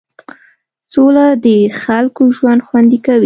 سوله د خلکو ژوند خوندي کوي.